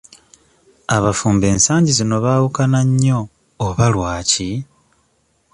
Abafumbo ensangi zino baawukana nnyo oba lwaki?